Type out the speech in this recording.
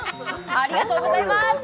ありがとうございます！